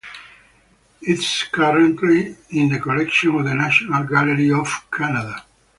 It is currently in the collection of the National Gallery of Canada.